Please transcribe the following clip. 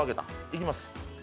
いきます。